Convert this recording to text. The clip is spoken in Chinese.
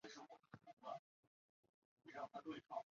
此后山区路段多加筑护坡。